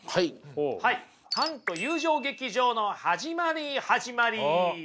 カント友情劇場の始まり始まり。